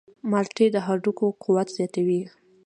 مالټې د هډوکو قوت زیاتوي.